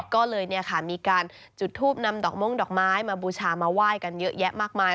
ก็เลยมีการจุดทูปนำดอกม่วงดอกไม้มาบูชามาไหว้กันเยอะแยะมากมาย